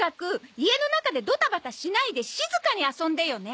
家の中でドタバタしないで静かに遊んでよね！